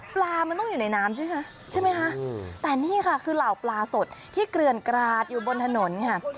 ปลามันต้องอยู่ในน้ำใช่ไหมคะใช่ไหมคะแต่นี่ค่ะคือเหล่าปลาสดที่เกลือนกราดอยู่บนถนนค่ะ